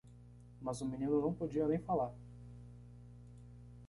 Mas o menino não podia nem falar.